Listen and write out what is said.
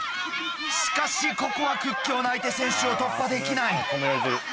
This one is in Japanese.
しかしここは屈強な相手選手を突破できない。